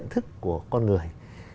nhận thức của con người